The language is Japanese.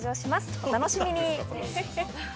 お楽しみに。